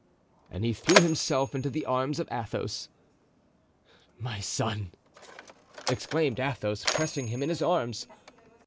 And he threw himself into the arms of Athos. "My son!" exclaimed Athos, pressing him in his arms.